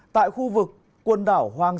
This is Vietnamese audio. tại khu vực quần đảo hoa kỳ